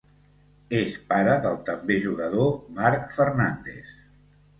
És pare del també jugador Marc Fernández.